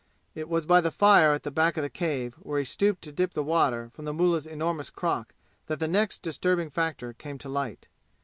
It was by the fire at the back of the cave, where he stooped to dip water from the mullah's enormous crock that the next disturbing factor came to light.